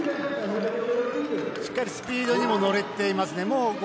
スピードにも乗れていますね。